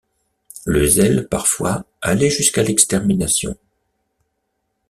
Le zèle parfois allait jusqu’à l’extermination.